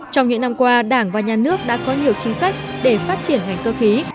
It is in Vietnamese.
trong những năm qua đảng và nhà nước đã có nhiều chính sách để phát triển ngành cơ khí